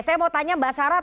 saya mau tanya mbak sarah